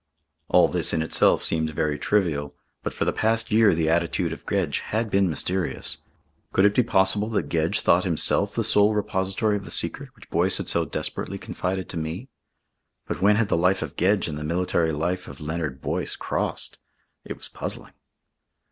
All this in itself seemed very trivial, but for the past year the attitude of Gedge had been mysterious. Could it be possible that Gedge thought himself the sole repository of the secret which Boyce had so desperately confided to me? But when had the life of Gedge and the military life of Leonard Boyce crossed? It was puzzling.